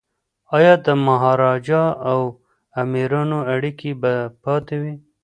ایا د مهاراجا او امیرانو اړیکي به پاتې وي؟